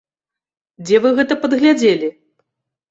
Дзе вы гэта падглядзелі?